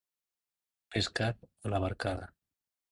Pescar a la barcada.